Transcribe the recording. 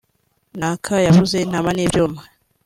“Naka yabuze intama n’ibyuma